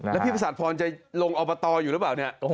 แล้วพี่ภาษาภวรจะลงออกมาต่ออยู่รึเปล่าเนี้ย